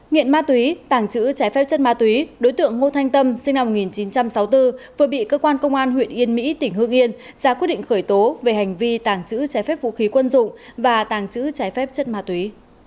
nghiện ma túy tàng trữ trái phép chất ma túy đối tượng ngô thanh tâm sinh năm một nghìn chín trăm sáu mươi bốn vừa bị cơ quan công an huyện yên mỹ tỉnh hương yên ra quyết định khởi tố về hành vi tàng trữ trái phép vũ khí quân dụng và tàng trữ trái phép chất ma túy